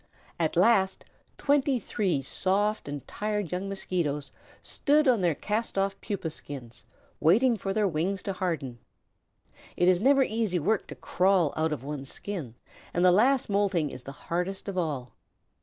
At last, twenty three soft and tired young Mosquitoes stood on their cast off pupa skins, waiting for their wings to harden. It is never easy work to crawl out of one's skin, and the last moulting is the hardest of all.